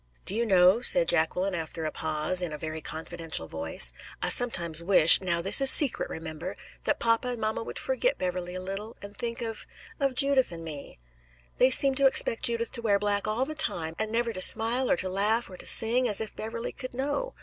"Do you know," said Jacqueline, after a pause, in a very confidential voice, "I sometimes wish now this is a secret, remember that papa and mamma would forget Beverley a little and think of Judith and me? They seem to expect Judith to wear black all the time, and never to smile or to laugh or to sing, as if Beverley could know.